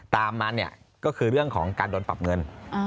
ตามมาเนี่ยก็คือเรื่องของการโดนปรับเงิน